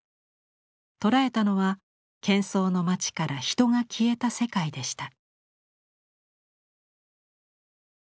捉えたのはけん騒の町から人が消えた世界でした。